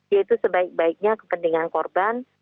yaitu sebaik baiknya kepentingan korban